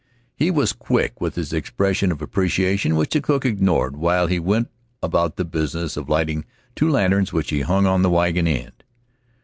He was quick with his expression of appreciation, which the cook ignored while he went about the business of lighting two lanterns which he hung on the wagon end.